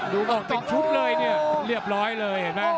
ดูออกเป็นชุดเลยเนี่ยเรียบร้อยเลยเห็นไหม